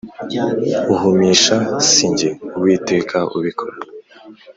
Uhumisha si jye uwiteka ubikora